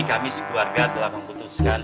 kami sekeluarga telah memutuskan